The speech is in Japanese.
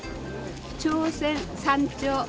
「挑戦山頂」。